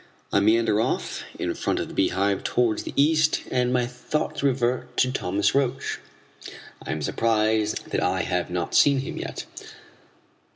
I meander off in front of the Beehive towards the east, and my thoughts revert to Thomas Roch. I am surprised that I have not seen him yet.